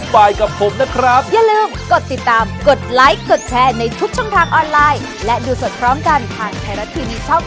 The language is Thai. โปรดติดตามตอนต่อไป